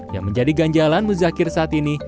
yang menjadi ganjalan muzakir saat ini